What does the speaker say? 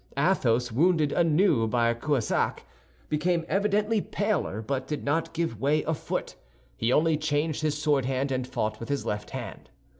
Athos, wounded anew by Cahusac, became evidently paler, but did not give way a foot. He only changed his sword hand, and fought with his left hand.